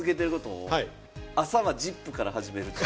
朝は『ＺＩＰ！』から始める。